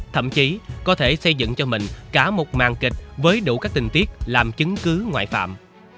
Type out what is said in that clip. thậm chí có thể xây dựng cho mình cả một màng kịch với đủ các tình tiết làm chứng cứ ngoại phạm